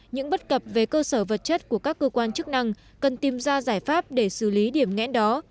những bất cập về cơ sở vật chất của các cơ quan chức năng cần tìm ra giải pháp để xử lý điểm ngẽn đó